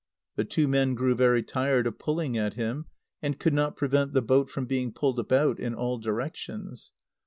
The two men grew very tired of pulling at him, and could not prevent the boat from being pulled about in all directions.